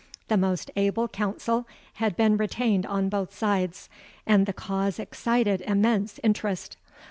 The most able counsel had been retained on both sides; and the cause excited immense interest.